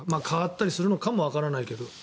変わったりするのかもわからないけど。